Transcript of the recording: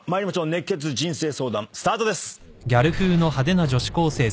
熱血人生相談スタートです。